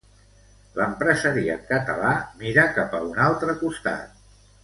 L'empresariat català mira cap a un altre costat.